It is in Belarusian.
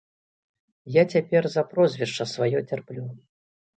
Я цяпер за прозвішча сваё цярплю.